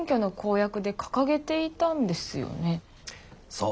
そう。